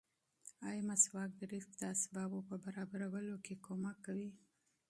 ایا مسواک د رزق د اسبابو په برابرولو کې مرسته کوي؟